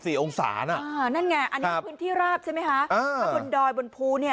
สี่องศาน่ะอ๋อนั่นไงอันนี้พื้นที่ราบใช่มั้ยฮะมันดอยบนภูเนี้ย